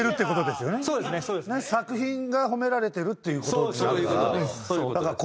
作品が褒められてるっていう事になるから。